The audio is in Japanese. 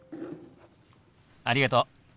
ありがとう。